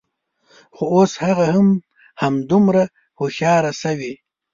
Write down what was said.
خو، اوس هغه هم همدومره هوښیاره شوې